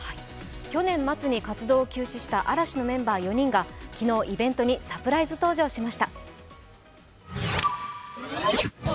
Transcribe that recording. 去年末に活動を休止した嵐のメンバー４人が昨日、イベントにサプライズ登場しました。